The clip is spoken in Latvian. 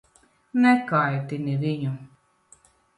Nekaitini viņu.